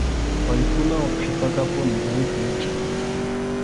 Paykunawan qhipakapuni uwiha michiq.